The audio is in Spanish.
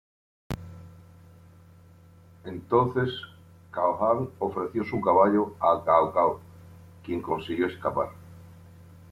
Entonces, Cao Ang ofreció su caballo a Cao Cao, quien consiguió escapar.